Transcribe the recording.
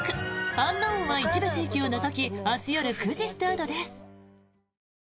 「ｕｎｋｎｏｗｎ」は一部地域を除き明日夜９時スタートです。